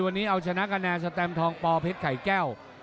วันนี้เอาชนะคะแนนสแตมทองปอเพชรไข่แก้ว